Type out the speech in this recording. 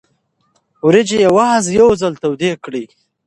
وریجې یوازې یو ځل تودې کړئ.